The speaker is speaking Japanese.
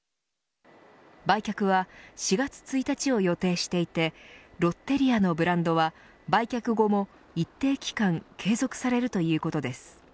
売却は４月１日を予定していてロッテリアのブランドは売却後も一定期間継続されるということです。